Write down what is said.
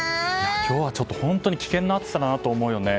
今日は本当に危険な暑さだなと思うよね。